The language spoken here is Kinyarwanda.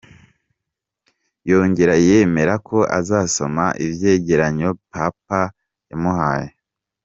" Yongera yemera ko azosoma ivyegeranyo Papa yamuhaye.